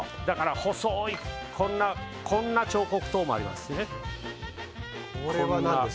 細い、こんな彫刻刀もあります。